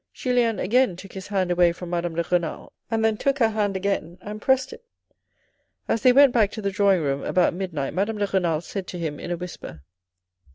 Julien again took his hand away from Madame de Renal, and then took her hand again and pressed it. As they went back to the drawing room about midnight, Madame de Renal said to him in a whisper.